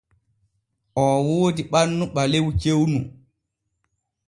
Oo woodi ɓannu ɓalew cewnu.